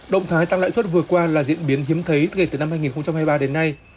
động thái tăng lãi suất vừa qua là diễn biến hiếm thấy kể từ năm hai nghìn hai mươi ba đến nay